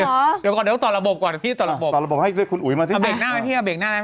เดี๋ยวก่อนเดี๋ยวต่อระบบก่อนพี่ต่อระบบต่อระบบให้คุณอุ๋ยมาสิเอาเบรกหน้าไหมพี่เอาเบรกหน้า